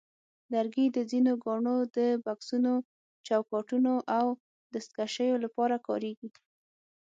لرګي د ځینو ګاڼو د بکسونو، چوکاټونو، او دستکشیو لپاره کارېږي.